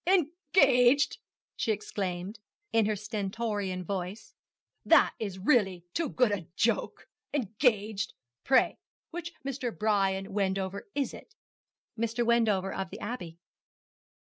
'Engaged?' she exclaimed, in her stentorian voice, 'That is really too good a joke. Engaged? Pray, which Mr. Brian Wendover is it? 'Mr. Wendover of the Abbey.'